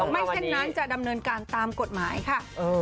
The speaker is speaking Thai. ไม่เช่นนั้นจะดำเนินการตามกฎหมายค่ะ